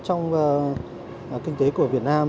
trong kinh tế của việt nam